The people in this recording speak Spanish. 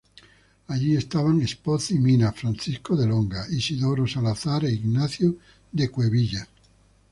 Allí estaban Espoz y Mina, Francisco de Longa, Isidoro Salazar e Ignacio de Cuevillas.